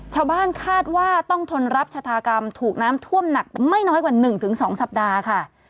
ชาวบ้านคาดว่าต้องทนรับชะตากรรมถูกน้ำท่วมหนักไม่น้อยกว่า๑๒สัปดาห์ค่ะ